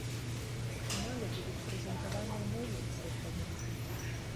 У фінале будуць прэзентаваныя найлепшыя праекты.